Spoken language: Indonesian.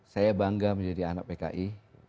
saya bangga menjadi anak pki